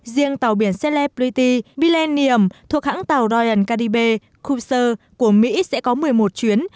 riêng tàu biển severity millennium thuộc hãng tàu royal caribbean cruise của mỹ sẽ có một mươi một chuyến